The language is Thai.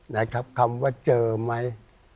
นะครับคำว่าเจอไหม